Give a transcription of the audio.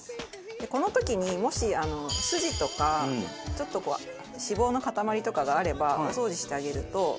この時にもし筋とかちょっとこう脂肪の塊とかがあればお掃除してあげると。